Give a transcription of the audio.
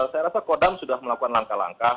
saya rasa kodam sudah melakukan langkah langkah